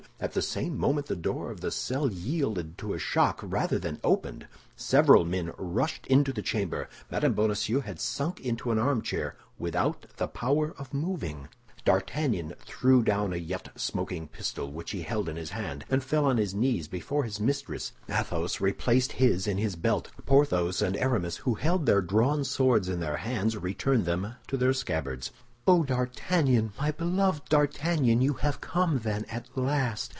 At the same moment the door of the cell yielded to a shock, rather than opened; several men rushed into the chamber. Mme. Bonacieux had sunk into an armchair, without the power of moving. D'Artagnan threw down a yet smoking pistol which he held in his hand, and fell on his knees before his mistress. Athos replaced his in his belt; Porthos and Aramis, who held their drawn swords in their hands, returned them to their scabbards. "Oh, D'Artagnan, my beloved D'Artagnan! You have come, then, at last!